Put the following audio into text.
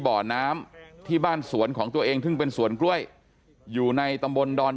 บ่อน้ำที่บ้านสวนของตัวเองซึ่งเป็นสวนกล้วยอยู่ในตำบลดอน